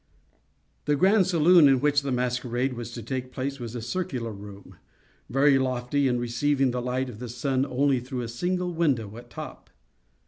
The grand saloon in which the masquerade was to take place, was a circular room, very lofty, and receiving the light of the sun only through a single window at top.